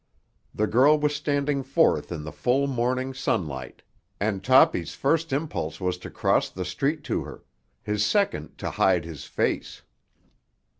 The girl was standing forth in the full morning sunlight, and Toppy's first impulse was to cross the street to her, his second to hide his face.